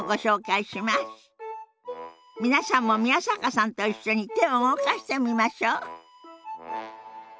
皆さんも宮坂さんと一緒に手を動かしてみましょう。